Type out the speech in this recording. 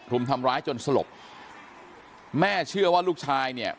รุมทำร้ายจนสลบแม่เชื่อว่าลูกชายเนี่ย